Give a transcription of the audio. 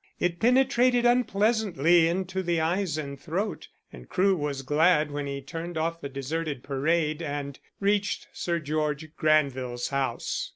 It penetrated unpleasantly into the eyes and throat, and Crewe was glad when he turned off the deserted parade and reached Sir George Granville's house.